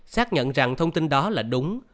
xác nhận rằng thông tin đó là đúng